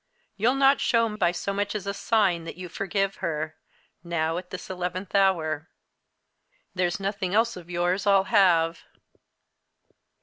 You'll not show, by so much as a sign, that you forgive her now, at this eleventh hour. There's nothing else of yours I'll have."